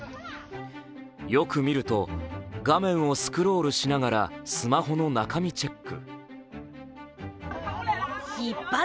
よく見ると、画面をスクロールしながらスマホの中身チェック。